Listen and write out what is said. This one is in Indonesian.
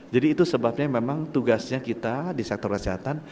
jadi itu sebabnya memang tugasnya kita di sektor kesehatan